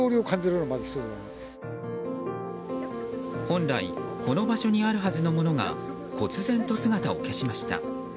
本来この場所にあるはずのものが忽然と姿を消しました。